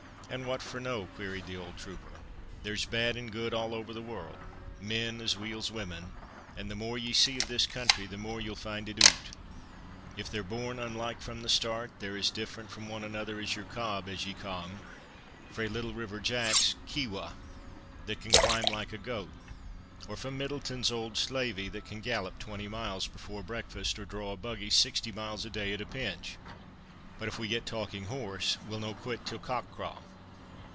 "And what for no?" queried the old trooper; "there's bad and good all over the world—men as weel's women—and the more you see of this country, the more you'll find it oot. If they're born unlike from the start, they're as different from one another as your cob (as ye ca' him) frae 'Little River Jack's' Keewah that can climb like a goat, or from Middleton's auld 'Slavey' that can gallop twenty miles before breakfast, or draw a buggy sixty miles a day at a pinch. But if we get talking horse, we'll no quit till cockcraw."